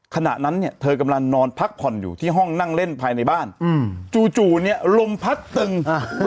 ขณะนั้นเนี่ยเธอกำลังนอนพักผ่อนอยู่ที่ห้องนั่งเล่นภายในบ้านจู่เนี่ยลมพัดตึง